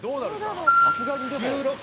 「さすがにでも」